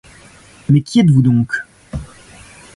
Mais qui êtes-vous donc ?